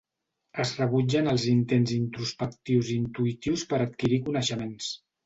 Es rebutgen els intents introspectius i intuïtius per adquirir coneixements.